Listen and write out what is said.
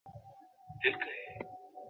আরে এই চুড়ি তোর কাছে।